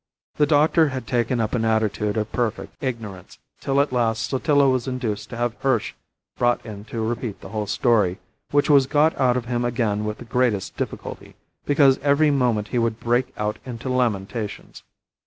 The doctor had taken up an attitude of perfect ignorance, till at last Sotillo was induced to have Hirsch brought in to repeat the whole story, which was got out of him again with the greatest difficulty, because every moment he would break out into lamentations.